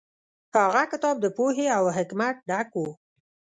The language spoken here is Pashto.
هغه کتاب د پوهې او حکمت ډک و.